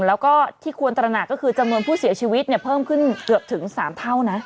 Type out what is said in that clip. แล้วก็ที่ควรตระหนักก็คือจำนวนผู้เสียชีวิตเพิ่มขึ้นเกือบถึง๓เท่านะ